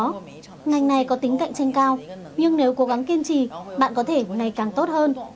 trong đó ngành này có tính cạnh tranh cao nhưng nếu cố gắng kiên trì bạn có thể ngày càng tốt hơn